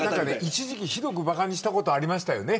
一時期ひどくばかにしたことありましたよね。